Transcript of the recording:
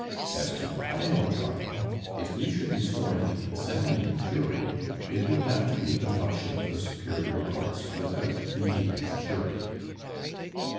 As to the final trial, if we should restore the examining jury, it would have to be the function of the superior courts without the aid of a jury.